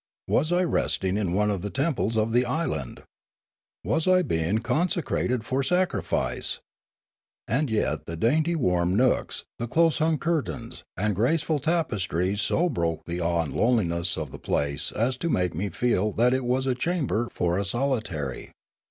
Was I rest ing in one of the temples of the island ? Was I being consecrated for sacrifice? And yet the dainty warm nooks, the close hung curtains, and graceful tapestries so broke the awe and loneliness of the place as to make me feel that it was a chamber for a solitary.